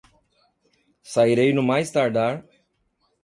Sairei no mais tardar